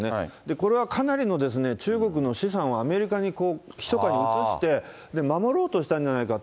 これはかなりの中国の資産をアメリカにひそかに移して、守ろうとしたんじゃないかと。